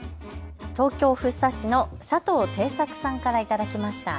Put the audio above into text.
東京福生市の齋藤貞作さんから頂きました。